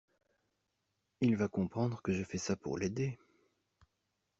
Il va comprendre que je fais ça pour l’aider.